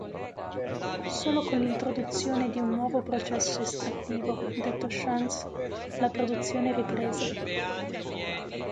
Solo con l'introduzione di un nuovo processo estrattivo, detto Shanks, la produzione riprese.